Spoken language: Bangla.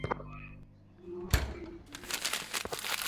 আমার মতো সেক্সের অভিজ্ঞতা থাকলে নোংরা মনে হত না।